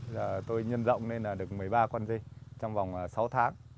giờ tôi nhân rộng nên là được một mươi ba con dê trong vòng sáu tháng